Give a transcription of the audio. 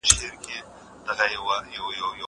زه اوږده وخت کتابتون ته راځم وم!!